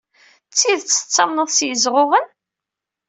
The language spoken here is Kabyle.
D tidet tettamneḍ s yezɣuɣen?